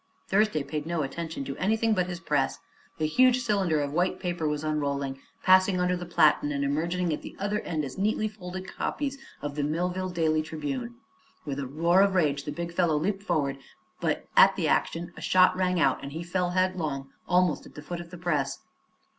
Thursday paid no attention to anything but his press. The huge cylinder of white paper was unrolling, passing under the platen and emerging at the other end as neatly folded copies of the Millville Daily Tribune. With a roar of rage the big fellow leaped forward, but at the action a shot rang out and he fell headlong almost at the foot of the press.